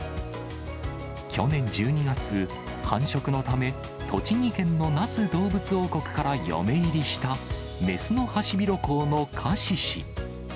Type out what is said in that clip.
去年１２月、繁殖のため、栃木県の那須どうぶつ王国から嫁入りした雌のハシビロコウのカシシ。